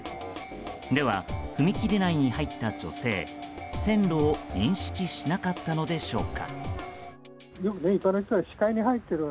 では、踏切内に入った女性線路を認識しなかったのでしょうか。